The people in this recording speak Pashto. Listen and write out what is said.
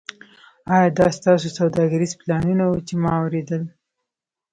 ایا دا ستاسو سوداګریز پلانونه وو چې ما اوریدل